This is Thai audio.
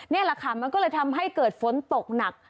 นี่แหละค่ะมันก็เลยทำให้เกิดฝนตกหนัก